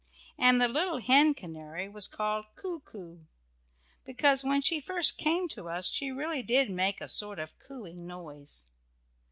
And the little hen canary was called "Coo coo," because when she first came to us she really did make a sort of cooing noise.